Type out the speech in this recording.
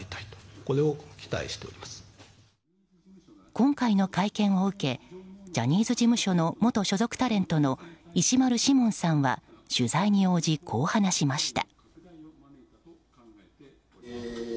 今回の会見を受けジャニーズ事務所の元所属タレントの石丸志門さんは取材に応じ、こう話しました。